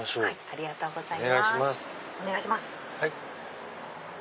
ありがとうございます。